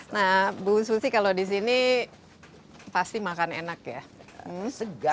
nah bususi kalau disini pasti makan enak ya